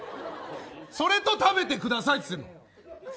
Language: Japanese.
それと食べてくださいっつってるの。